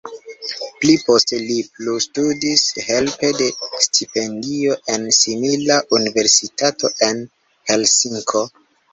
Pli poste li plustudis helpe de stipendio en simila universitato en Helsinko.